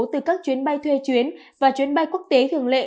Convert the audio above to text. từ các chuyến bay thuê chuyến và chuyến bay quốc tế thường lệ